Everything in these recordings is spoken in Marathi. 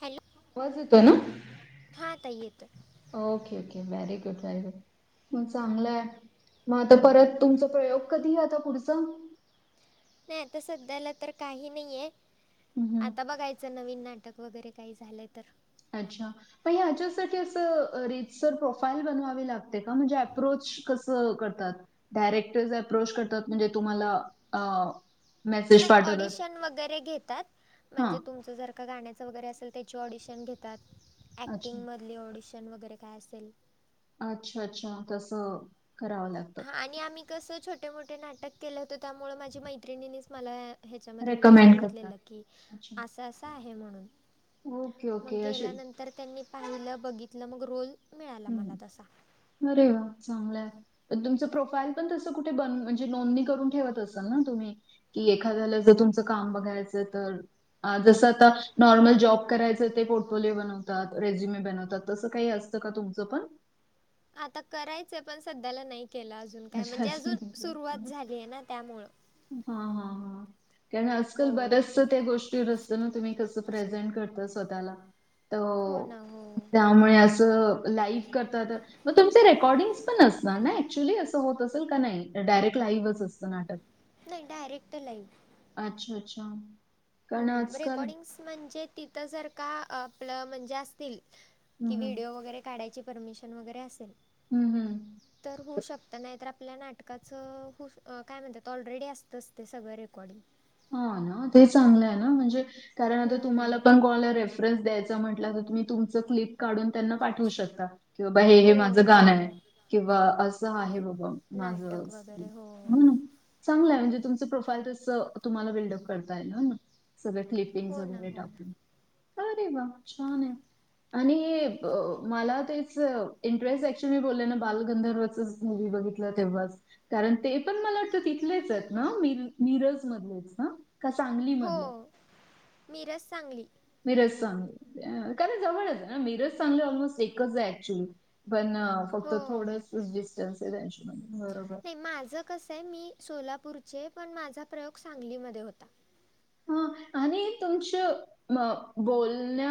हॅलो. वाज होतो ना हां आता येतं okay, okay very good, very good. म चांगलंय मग आता परत तुमचा प्रयोग कधी आता पुढच? नाही आता सध्याला तर काही नाहीये हं, हं. आता बघायचं नवीन नाटक. वगैरे काही झालं तर. अच्छा. पण ह्याच्यासाठी असं रीतसर प्रोफाईल बनवावी लागते का म्हणजे अप्रोच कसं करतात? डायरेक्टर्स अप्रोच करतात म्हणजे तुम्हाला अ मेसेज नाही पाठवतात? ऑडिशन वगैरे घेतात हां. म्हणजे तुमचं जर का गाण्याचं वगैरे असेल त्याची ऑडिशन घेतात. अच्छा. ॲक्टिंगमधली ऑडिशन वगैरे काय असेल. अच्छा, अच्छा तस कराव लागतं. हा आणि आम्ही कसं छोटे, मोठे नाटक केलं होतं त्यामुळ माझ्या मैत्रिणीनीच मला ह्याच्यामध्ये म्हणजे रेकमेंड करतात. सांगितलेलं की अच्छा. अस, अस आहे म्हणून. ओके, ओके, अश तर त्यांनी पाहिलं बघितलं मग रुल मिळाला मला तसा. आरे वा चांगले. तुमचं प्रोफाईल पण तसं कुठे ब म्हणजे नोंदणी करून ठेवत असाल ना तुम्ही? कि एखाद्याला जर तुमचं काम बघायचं तर जसं आता नॉर्मल जॉब करायचं ते पोर्टफोलिओ बनवतात रेज्युमे बनवतात. तसं काही असतं का तुमचं पण? आता करायचंय पण सध्याला नाही केलं अजून काय अच्छा. म्हणजे अजून सुरुवात झालीय ना त्यामुळं हा, हा, हा, कारण आजकाल हो. बऱ्याच त्या गोष्टीवर असतं ना तुम्ही कस प्रेझेंट करतो स्वतःला तो हो ना त्या हो त्यामुळे अस लाईक करत म तुमच रेकॉर्डिंग पण असणार ना ऍक्च्युली अस? होत असेल का नाही डायरेक्ट लाईव्हच असतं नाटक? नाही डायरेक्ट लाईव्ह. अच्छा! अच्छा! कारण ह् आजकाल रेकॉर्डिंग्स म्हणजे तिथं जर का आपलं म्हणजे असतील. हं, कि हं. व्हिडिओ वगैरे काढायची परमिशन वगैरे असेल? हम्, हम् तर होऊ शकत नाही तर आपल्या नाटकाचं हो काय म्हणतात त ऑलरेडी असत असते सगळं रेकॉर्डिंग. हा ना ते चांगलं आहे ना म्हणजे कारण आता तुम्हाला हम्म पण कॉल रे द्यायचा म्हटलं तर तुम्ही तुमचं क्लिप काढून त्यांना पाठवू शकता. किंबा हे हे हो माझं गाणं हो आहे किंवा असं आहे बाबा. माझं नाटक वगैरे हो. [unintelligible] म्ह. चांगय म्हणजे तुमचं प्रोफाईल तस तुम्हाला बिल्डअप करता येल सगळ क्ल चिंच हो ना वगैरे हो ना टाकून, अरे वा छान आहे. आणि मला तेच इंटरेस्ट ऍक्च्युली बोलले ना बालगंधर्वच बघितलं तेव्हाच कारण ते पण मला वाट तिथलेच आहेत ना मिरज? मधलेच ना? का सांगली? हो मधले मिरज, सांगली मिरज, सांगली, का जवळच आहे ना मिरज, सांगली, ऑलमोस्ट एकच आहे ऍक्च्युली. पण फक्त हो. थोड डिस्टन्स आहे त्यांच्या मध्ये बरोबर. नाही माझं कसं आहे मी सोलापूरचे पण माझा प्रयोग सांगलीमध्ये होता. हां [inaudible] आणि तुमच म बोलण्या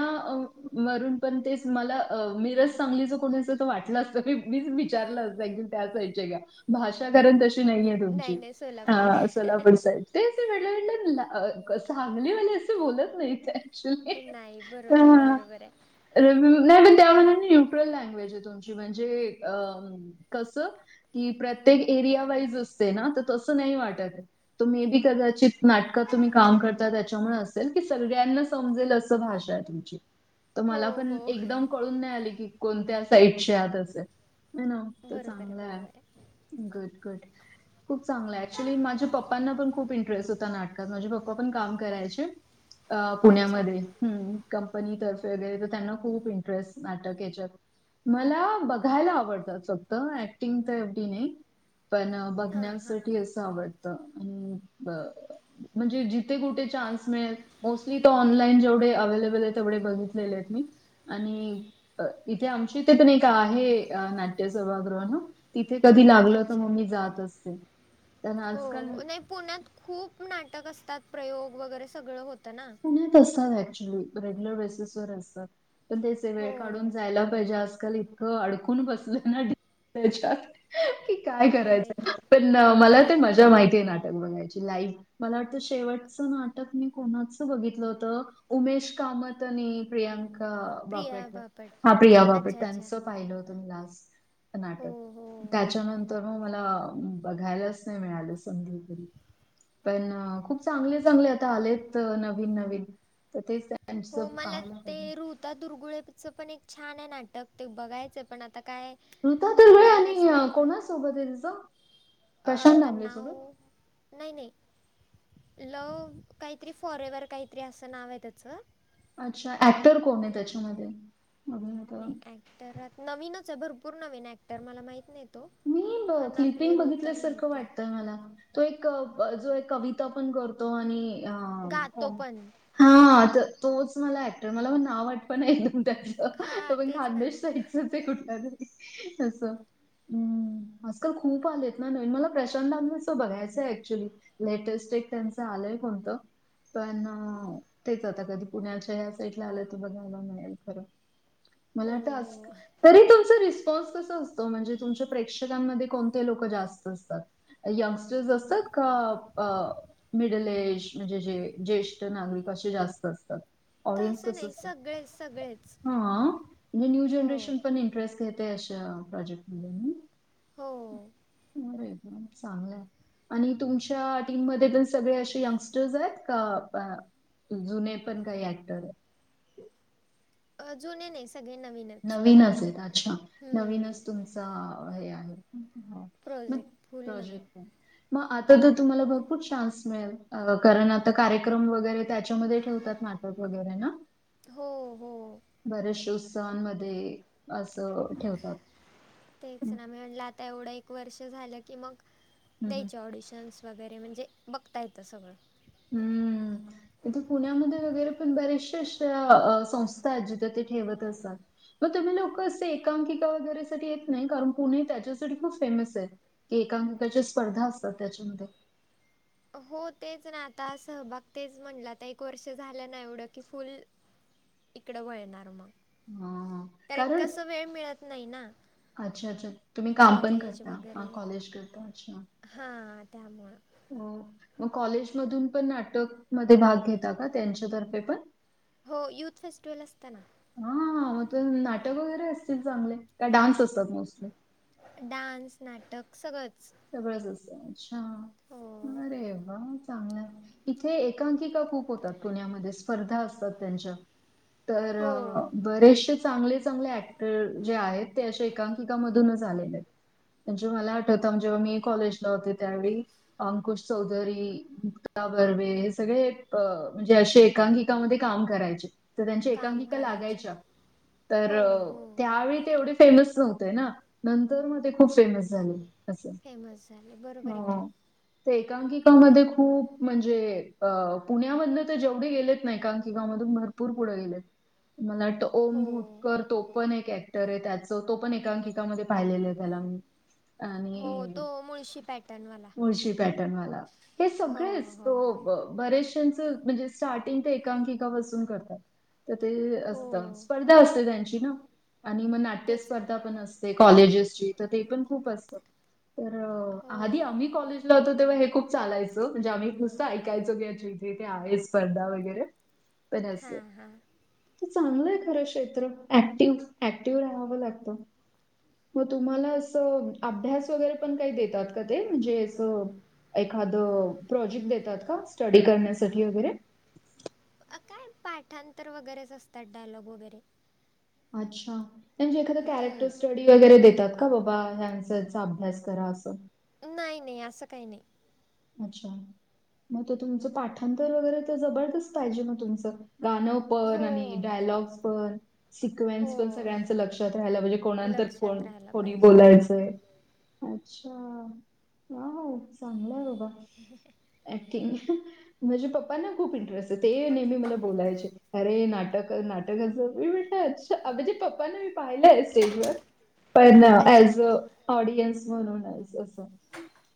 वरून पण ते मला मिरज -सांगली कोणीच त वाट लं असत मी मीच विचारलं असतं ऍक्च्युली त्या साईडचे आहात का? भाषा कारण तशी नाहीये नाही तुमची नाही सोलापूर अ सोलापूर साईड तेच मी म्हटलं सांगली वाले असे बोलत नाही ते ऍक्चुली बरोबर आहे नाही बरोबर आहे पण त्या मानाने न्यूट्रल लँग्वेज आहे तुमची म्हणजे अ कस कि प्रत्येक एरिया वाईज असते ना तर तसं नाही वाटत. तुम्ही बी कदाचित नाटकं तुम्ही काम करता त्याच्यामुळे असेल की सगळ्यांना समजेल असं भाषा आहे तुमची तर मला हो पण हो एकदम कळून नाही आले की कोणत्या साईटच्या आत असेल. नाही ना तो बरोबर आहे चांगलंय बरोबर आहे गुड गुड खूप चांगलय ऍक्च्युली माझ्या पप्पांना पण खूप इंटरेस्ट होता नाटकात माझे पप्पा पप्पा पण काम करायचे अ अच्छा पुण्यामध्ये हम्म कंपनीतर्फे वगैरे तर त्यांना खूप इंटरेस्ट नाटक याच्यात मला बघायला आवडतात फक्त ऍक्टिंग तर एवढी नाही. पण हां हां बघण्यासाठी अस आवडत म्हणजे ज बघते कुठे चान्स मिळेल मोसली त ऑनलाईन जेवढे अवलेबल आहे तेवढे बघितलेले आहेत मी. आणि इथे आमची इथे पण एक आहे नाट्य सभागृह. तिथे कधी लागलं तर अच्छा मग मी जात असते. त्यांना हो, आजकाल नाही पुण्यात खूप नाटक असतात प्रयोग वगैरे सगळं होतं ना पुण्यात असतात ऍक्च्युली रेग्युलर बेसिस वर असतात. पण तेच ते वेळ हो काढून जायला पाहिजे आजकाल इतकं अडकून बसलंय ना अच्याा काय खरं आहे करायचं की पण मला ते मजा माहितीये नाटक बघायची लाईव मला वाटतं शेवटचं नाटक मी कोणाच बघितल होत, उमेश कामत आणि प्रियं का बापट हा प्रिया बापट अच्छा अच्छा त्यांचं पाहिलं होतं मी लास्ट हो नाटक हो त्याच्यानंतर मग मला बघायलाच नाही मिळालं संधी कधी पण खूप चांगले चांगले आता आलेत नवीन नवीन तर तेच हो त्यांचं मला पाहायला ते पाहिजे. रूत ऋता दुर्गुळेचं पण एक छान हाय नाटक ते बघायचंय पण आता काय ऋता तर ते व्हय वेळ आणि नसल्यामुळे कोणा सोबत आहे तिचं अ प्रशांत आता दामलेसोबत? नाव नाही नाही लव काहीतरी फॉरेवर काहीतरी असं नाव आहे त्याचं अच्छा ऍक्टर कोण हाय त्याच्यामध्ये अभिनेता? नाही ऍक्टरात नवीनच आहे भरपूर नवीन ऍक्टर मला माहित नाही. तो, पण आपली रूता माहितीय म तो एक जो एक कविता पण करतो आणि गातो पण हा तर तोच मला ऍक्टर मला पण नाव आठवना एक्साट त्याचं तो हां पण तेच ना खान्देशचा कुठलं तरी असं हं, आजकाल खूप आलेत ना नवीन मला प्रशांत दामलेच बघायचंय एक्च्युअली लेटेस्ट एक त्यांचं आलंय कोणतं पण ते आता कधी पुण्याच्या ह्या साईडला आलं तर बघायला मिळेल खरं मला हो असं वाटत, हो तरी तुमचा रिस्पॉन्स कस असतो म्हणजे तुमच्या प्रेक्षकांमध्ये कोणते लोक जास्त असतात. यंगस्टर्स असतात का अ मिडल एज म्हणजे जे ज्येष्ठ नागरिक असे जास्त असतात. ऑडियन्स तसं कस नाही असत सगळेच सगळेच हा म्हणजे न्यू हो जनरेशन पण इंटरेस्टेड ते अशा प्रॉजेक्टमधून हो फॉर एक्साम चांगलंय आणि तुमच्या टीममध्ये पण सगळे असे यंगस्टर्स आहेत का जुने पण काही ऍक्टर आहे अ जुनी नाही सगळे नवीन हाय नवीनच आहेत अच्छा नवीनच तुमच हे आहे. मग प्रॉजेक्ट फूल नवीन प्रोजेक्ट आहे. मग आता तर तुम्हाला भरपूर चान्स मिळेल कारण आता कार्यक्रम वगैरे त्याच्यामध्ये ठेवतात नाटक वगैरे ना हो हो बऱ्याचश्या उत्सवांमध्ये असं ठेवतात. तेच हं, ना म म्हणलं आता एवढं एक वर्ष झालं की मग हं. द्यायचे ऑडिशन्स वगैरे म्हणजे बघता येतं सगळं हम्म इथे पुण्यामध्ये वगैरे पण बरेचशे अशा संस्था आहेत जिथे ते ठेवत असतात. मग तुम्ही लोक असे एकांकिका वगैरे साठी येत नाही कारण पुणे त्याच्यासाठी खूप फेमस आहे. की एकांककाच्या स्पर्धा असतात त्याच्यामध्ये हो तेच ना आता सहभाग तेच म्हणलं आता एक वर्ष झालं ना एवढं की फुल इकडें वळणार मग हम कारण कस वेळ मिळत नाही ना. अच्छा अच्छा तुम्ही काम पण कॉलेज करता वगैरे कॉलेज करता अच्छा हां त्यामुळं मग कॉलेजमधून पण नाटक म भाग घेता का त्यांच्यातर्फे पण हो यूथ फेस्टिवल असताना. हा मग नाटक वगैरे असतील चांगले का डान्स असतात मोस्टली डान्स नाटक सहळंच. सगळंच असतच्छा अरे वा चांगलं आहे. इथे एकांकिका खूप होतात पुण्यामध्ये स्पर्धा असतात त्यांच्या तर हो बरेचसे चांगले चांगले ऍक्टर जे आहेत ते असे एकांकिकामधूनच आलेले आहेत. म्हणजे मला आठवत जेव्हा मी कॉलेजला होते त्यावेळी अंकुश चौधरी मुक्ता बर्वे हे सगळे अ म्हणजे असे एकांकिकामध्ये काम करायचे. तर त्यांच्या काम एकांकिका करायचे लागायच्या तर हो हो त्यावेळी ते एवढी फेमस नव्हते ना नंतर मग ते खूप फेमस झाले. असं. फेमस झाले बरोबर आहे की हो. ते एकांकिकामध्ये खूप म्हणजे अ पुण्यामधन ते जेवढे गेलेत ना एकांकिकावमधून भरूर. पूर पुढं गेले. मला वाटतं ओम हो भूतकर तो पण एक ऍक्टर आहे त्याच तो पण एकांकिकामध्ये पाहिलेलं आहे त्याला मी हां हो तो मुळशी पॅटर्नवाला पॅटर्नवाला हे हो सगळेच हो तो बरेचशांच म्हणजे स्टार्टिंग ते एकांकिकापासून करतात. तर ते असत हो स्पर्धा असते त्यांची ना आणि मग नाट्य तेच ना स्पर्धा पण असते. कॉलेजेसची तर ते पण खूप असतात. तर हो आधी आम्ही कॉलेजला होतो तेव्हा हे खूप चालायचं म्हणजे आम्ही एक नुसतं ऐकायचो की या थे आहे स्पर्धा वगैरे पण अस. हां हां तर चांगलं आहे खरं क्षेत्र ऍक्टिव ऍक्टिव्ह राहावं लागतं. हो तुम्हाला असं अभ्यास वगैरे पण काही देतात का ते म्हणजे असं. एखादं प्रोजेक्ट देतात का स्टडी करण्यासाठी वगैरे काय पाठांतर वगैरेच असतात डायलॉग वगैरे अच्छा म्हे एखाद कॅरेक्टर स्टडी वगैरे देतात का बाबा. अभ्यास करा अस. नाही नाही असं काही नाही. अच्छा मग त तुमचं पाठांतर वगैरे तर जबरदस्त पाहिजे मग तुमचं. गाणं पण हो आणि डायलॉग्स पण हो सिक्वेन्स पण सगळ्यांच लक्षात राहायला म्हणजे कोणात को लक्षात राहायला कोणी पाहिजे बोलायचंय. अच्छा ह हो चांगलं आहे बोघा. हो ऍक्टिंग माझ्या पप्पांना खूप इंटरेस्ट आहे ते नेहमी मला बोलायचे. अरे नाटक नाटकचंी म्हटलं अचछ म्हणजे पप्पाने मी पाहिलंय स्टेजवर पण ना अच्छा ज अ ऑडियन्स म्हणूनज अस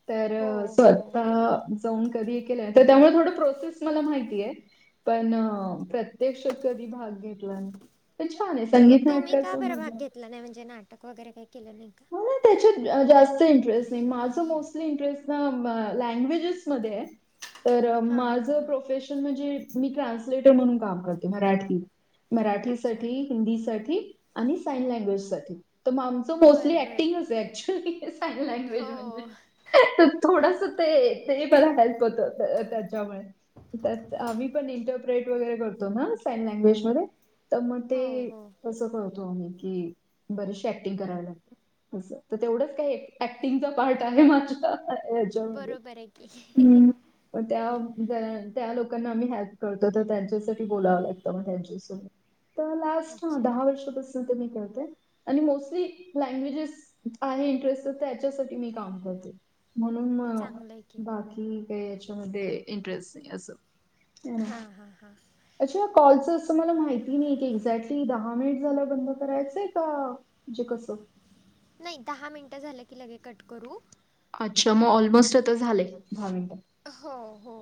तर हो हो स्वत जाऊन कधी केलंय तर त्यामुळे थोडी प्रोसेस मला माहितीय. पण प्रत्यक्षात कधी भाग घेतला. पण छान आहे मग संगीत तुम्ही का नाटकचं बरं म्हजे भाग नाही म्हणजे नाटक वगैरे काही केलं नाही. का नाही त्याच्यात जास्त इंटरेस्ट नाही माझं मोस्टली इंटरेस्ट ना लँग्वेजेसमध्येध्ये तर हां हां माझं हां प्रोफेशन म्हणजे मी ट्रान्सलेटर म्हणून काम करते मराठी अच्छा मराठीसाठी हिंदीसाठी आणि साईन लँग्वेज साठी तर मग आमचं मोस् [unintelligible] बर मोस्टली बर ऍक्टिंगच आहे ऍक्च्युली साईन लँग्वेज हो म्हणजे [unintelligible] थोडस ते ते मला हेल्प होत त्याच्यामुळे [unintelligible] तर आम्ही पण इंटरप्रेट वगैरे करतो ना साईन लँग्वेज मध्ये [unintelligible] तर मग ते हो हो तसं करतो आम्ही की बरेचसे ऍक्टिंग करायला [unintelligible] असं तर तेवढंच काय ऍक्टिंगचा पार्ट आहे माझ्यात [unintelligible] याच्यामध्ये बरोबर आहे की हम् [unintelligible] मग त्या त्या लोकांना आम्ही हेल्प करतो तर त्यांच्यासाठी बोलावं लागतं मग त्यांच्यास [unintelligible] ह [unintelligible] तर लास्ट दहा वर्षापासून ते मी करते आणि मोस्टली [unintelligible] लँग्वेजेस आहे इंटरेस्ट त्याच्यासाठी मी काम करते [unintelligible] म्हणून मग चांगलं आहे की बाकी काही याच्यामध्ये इंटरेस्ट नाही असं [unintelligible] हम्म [unintelligible] हां हां हां अच्छा कॉलचं असं मला माहिती नाही एक्झॅक्टली दहा मिनिट झाल्यावर बंद करायचंय का [unintelligible] म्हणजे कसं [unintelligible] नाही दहा मिनटं झालं की लगे कट करू [unintelligible] अच्छा मग ऑलमोस्ट आता झाले दहा मिनट [unintelligible] हो हो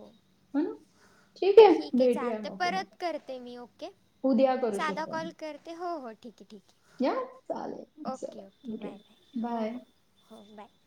[unintelligible] ठीक आहे भेटूया चालते मग पुन्हा परत करते मी ओके [unintelligible] उद्या [unintelligible] साधा कॉल आम्ही. करते हो हो ठीक आहे ठीक या चालेल आहे [unintelligible] चला ओके ओके बाय भेटूया बाय हो बाय हो हो बाय [unintelligible]